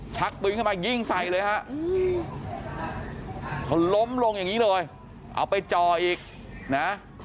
ชักปืนขึ้นมายิงใส่เลยฮะเขาล้มลงอย่างนี้เลยเอาไปจ่ออีกนะ